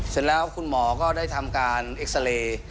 เสร็จแล้วคุณหมอก็ได้ทำการเอ็กซาเรย์